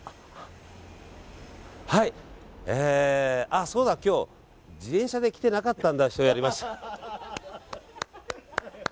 あ、そうだ今日自転車で来てなかったんだっていう。